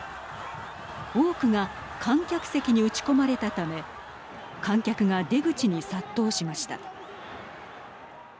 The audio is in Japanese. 多くが観客席に撃ち込まれたため観客が出口に殺到しました。